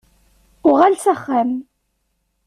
Uɣal s axxam.